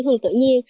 thường tự nhiên